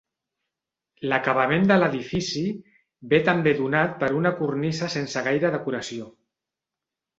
L'acabament de l'edifici ve també donat per una cornisa sense gaire decoració.